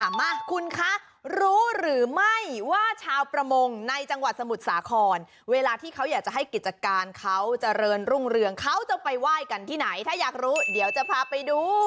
มาคุณคะรู้หรือไม่ว่าชาวประมงในจังหวัดสมุทรสาครเวลาที่เขาอยากจะให้กิจการเขาเจริญรุ่งเรืองเขาจะไปไหว้กันที่ไหนถ้าอยากรู้เดี๋ยวจะพาไปดู